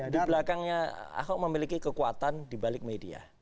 di belakangnya ahok memiliki kekuatan di balik media